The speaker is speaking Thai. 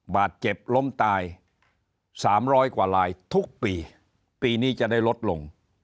บาดเจ็บล้มตาย๓๐๐กว่าลายทุกปีปีนี้จะได้ลดลง